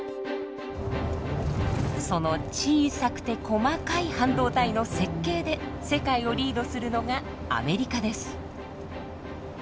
その小さくて細かい半導体の設計で世界をリードするのがアメリカです。